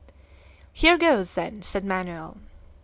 "Here goes, then," said Manoel.